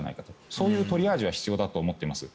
そういうトリアージは必要かと思っています。